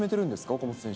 岡本選手。